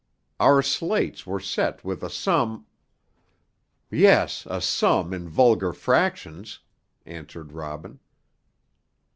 Our slates were set with a sum " "Yes, a sum in vulgar fractions," answered Robin.